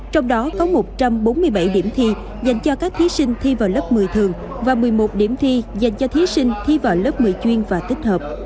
trong đó có một trăm bốn mươi bảy điểm thi dành cho các thí sinh thi vào lớp một mươi thường và một mươi một điểm thi dành cho thí sinh thi vào lớp một mươi chuyên và tích hợp